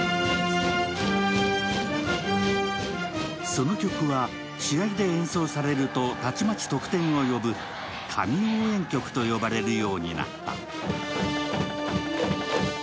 その曲は、試合で演奏されるとたちまち得点を呼ぶ神応援曲と呼ばれるようになった。